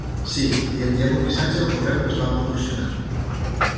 Sí, li enviem un missatge al correu que ens va proporcionar.